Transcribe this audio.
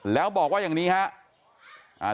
แล้วบอกว่าอย่างนี้ครับ